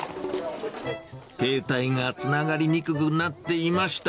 携帯がつながりにくくなっていました。